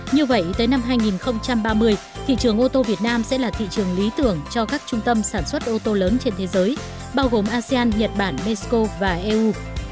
như vậy tới năm hai nghìn ba mươi thị trường ô tô việt nam sẽ là thị trường lý tưởng cho các trung tâm sản xuất ô tô lớn trên thế giới bao gồm asean nhật bản mexico và eu